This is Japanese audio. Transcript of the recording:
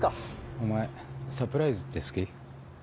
お前サプライズって好き？